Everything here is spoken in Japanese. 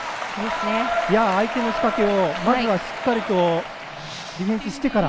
相手の仕掛けをまずはしっかりディフェンスしてから。